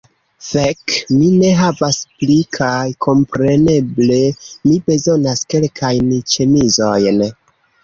Fek', mi ne havas pli. Kaj kompreneble mi bezonas kelkajn ĉemizojn